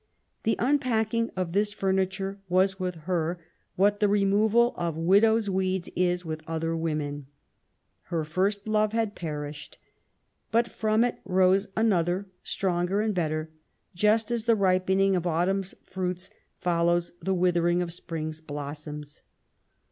The unpacking of this furniture was with her what the removal of widows' weeds is with other women. Her first love had perished ; but from it rose another, stronger and better ; just as the ripening of autumn's fruits follows the withering of spring's blossoms.